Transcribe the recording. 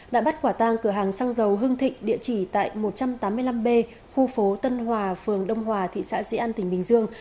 đã bắt quả tang cửa hàng xăng dầu hưng thịnh địa chỉ tại một trăm tám mươi năm b khu phố tân hòa phường đông hòa thị xã dĩ an tỉnh bình dương